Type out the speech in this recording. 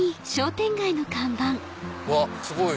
うわっすごい！